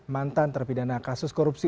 mantan terpidana kasus korupsi